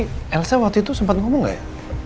tapi elsa waktu itu sempat ngomong gak ya